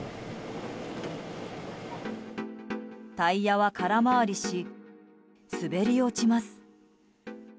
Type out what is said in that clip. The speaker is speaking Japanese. タイヤは空回りし滑り落ちます。